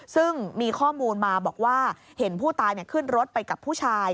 ซึ่งมีข้อมูลมาบอกว่าเห็นผู้ตายขึ้นรถไปกับผู้ชาย